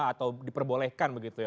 atau diperbolehkan begitu ya